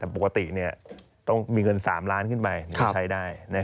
ปกติต้องมีเงิน๓ล้านกทำไปจะใช้ได้